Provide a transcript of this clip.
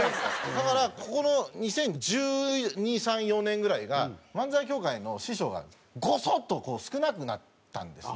だからここの２０１２２０１３２０１４年ぐらいが漫才協会の師匠がごそっと少なくなったんですね。